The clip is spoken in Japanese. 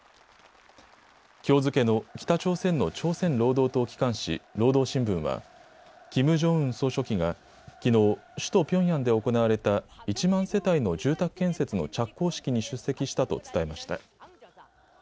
きょう付けの北朝鮮の朝鮮労働党機関紙、労働新聞はキム・ジョンウン総書記がきのう、首都ピョンヤンで行われた１万世帯の住宅建設の着工式に出席したと伝えました。